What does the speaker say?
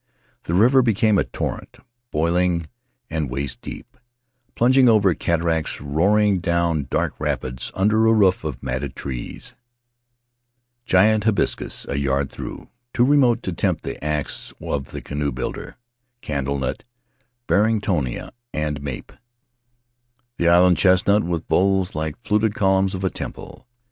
The river had become a torrent, boiling and waist deep — plunging over cataracts, roar ing down dark rapids under a roof of matted trees: giant hibiscus a yard through, too remote to tempt the ax of the canoe builder; candle nut, Barringtonia, and mape, the island chestnut, with boles like fluted columns of a temple.